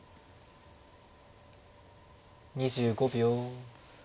２５秒。